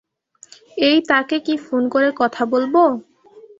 এই, তাকে কি ফোন করে কথা বলবো?